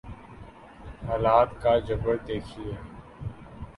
حالات کا جبر دیکھیے۔